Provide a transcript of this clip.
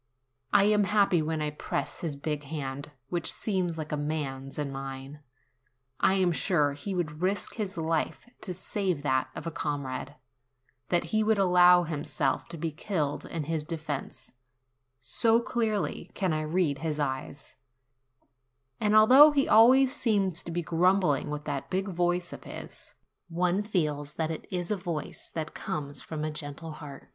I am happy when I press his big hand, which seems like a man's, in mine. I am sure he would risk his life to save that of a comrade; that he would allow himself to be killed in his defence, so clearly can I read his eyes ; and although he always seems to be grumbling with 28 NOVEMBER that big voice of his, one feels that it is a voice that comes from a gentle heart.